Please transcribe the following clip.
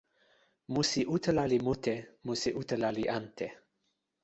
musi utala li mute, musi utala li ante.